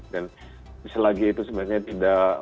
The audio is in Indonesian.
dan selagi itu sebenarnya tidak